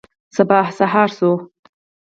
سبا سهار شو.